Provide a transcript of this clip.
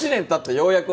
ようやく。